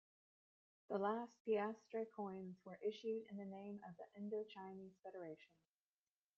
The last piastre coins were issued in the name of the "Indochinese Federation".